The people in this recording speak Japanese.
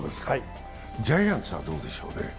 ジャイアンツはどうでしょうね？